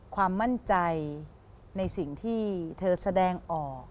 ความมั่นใจในสิ่งที่เธอแสดงออก